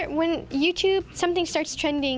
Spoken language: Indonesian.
ketika youtube mulai berkembang